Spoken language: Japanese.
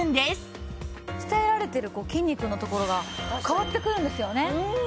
鍛えられてる筋肉のところが変わってくるんですよね。